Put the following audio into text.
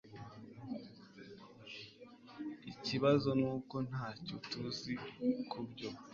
Ikibazo nuko ntacyo tuzi kubyo